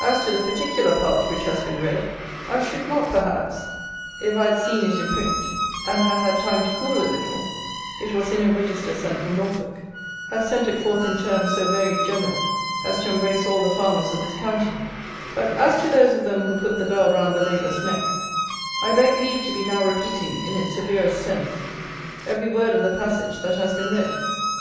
As to the particular part which has been read, I should not, perhaps, if I had seen it in print, and had had time to cool a little [it was in a Register sent from Norfolk], have sent it forth in terms so very general as to embrace all the farmers of this county; but, as to those of them who put the bell round the labourer's neck, I beg leave to be now repeating, in its severest sense, every word of the passage that has been read.